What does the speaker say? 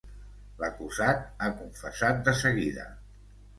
L'acusat ha confessat de seguida.